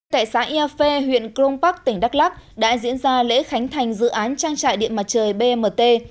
tại xã yafé huyện kronpark tỉnh đắk lắk đã diễn ra lễ khánh thành dự án trang trại điện mặt trời bmt